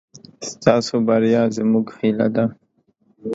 ستاسو بريا زموږ هيله ده.